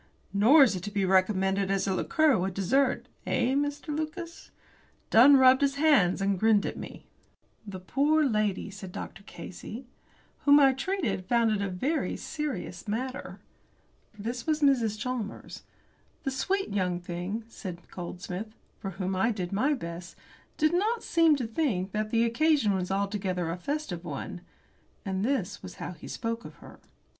"Nor is it to be recommended as a liqueur with dessert eh, Mr. Lucas?" Dunn rubbed his hands, and grinned at me. "The poor lady," said Dr. Casey, "whom I treated found it a very serious matter." This was Mrs. Chalmers. "The sweet young thing," said Goldsmith, "for whom I did my best, did not seem to think that the occasion was altogether a festive one," and this was how he spoke of her.